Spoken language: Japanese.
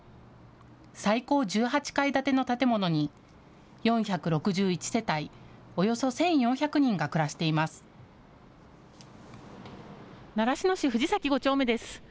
最高１８階建ての建物に４６１世帯、およそ１４００人が暮らしています。